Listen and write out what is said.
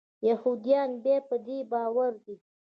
یهودیان بیا په دې باور دي.